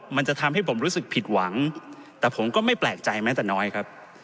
มันจะทำให้ผมรู้สึกผิดหวังแต่ผมก็ไม่แปลกใจแม้แต่น้อยครับ